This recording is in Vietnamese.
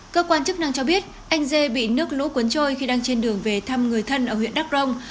cơ quan chức năng cho biết anh dê bị nước lũ cuốn trôi khi đang trên đường về thăm người thân ở huyện đắk rông